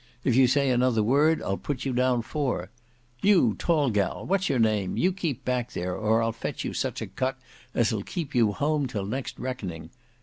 If you say another word, I'll put you down four. You tall gal, what's your name, you keep back there, or I'll fetch you such a cut as'll keep you at home till next reckoning.